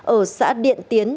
ở xã điện tiến